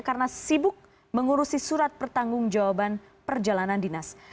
karena sibuk mengurusi surat pertanggung jawaban perjalanan dinas